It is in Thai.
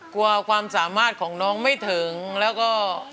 ความสามารถของน้องไม่ถึงแล้วก็